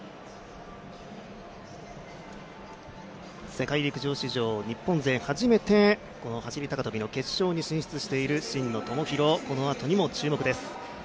世界陸上史上、日本勢初めて走高跳の決勝に進出している真野友博、このあとにも注目です。